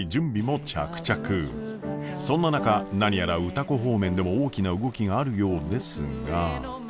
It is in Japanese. そんな中何やら歌子方面でも大きな動きがあるようですが。